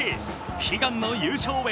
悲願の優勝へ。